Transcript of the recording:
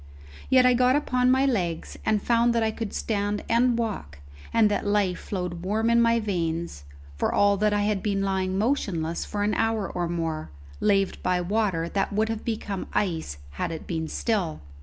Yet I got upon my legs, and found that I could stand and walk, and that life flowed warm in my veins, for all that I had been lying motionless for an hour or more, laved by water that would have become ice had it been still.